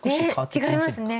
違いますね。